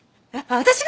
私が！？